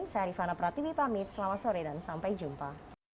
saya rifana pratiwi pamit selamat sore dan sampai jumpa